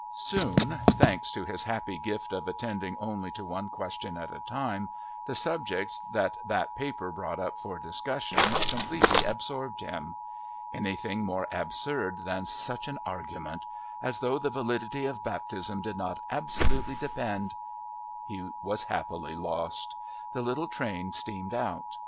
Soon, thanks to his happy gift of attending only to one question at a time, the subjects that that paper brought up for discussion completely absorbed him. Anything more absurd than such an argument! as though the validity of Baptism did not absolutely depend... He was happily lost; the little train steamed out.